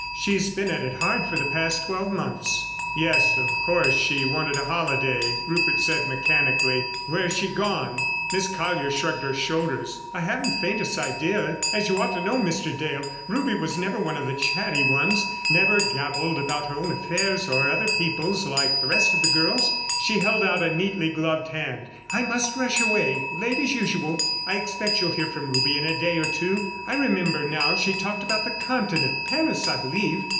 She's been at it hard for the past twelve months." "Yes—of course, she wanted a holiday," Rupert said mechanically. "Where has she gone?" Miss Colyer shrugged her shoulders. "I haven't the faintest idea. As you ought to know, Mr. Dale, Ruby was never one of the chatty ones, never gabbled about her own affairs or other people's like the rest of the girls." She held out a neatly gloved hand. "I must rush away; late as usual. I expect you'll hear from Ruby in a day or two. I remember now she talked about the Continent—Paris, I believe.